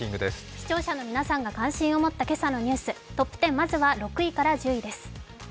視聴者の皆さんが関心を持った今朝のニュース、トップ１０まずは６位から１０位です。